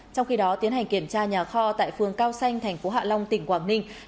trong khi đó tiến hành kiểm tra nhà kho tại phường cao xanh thành phố hạ long tỉnh quảng ninh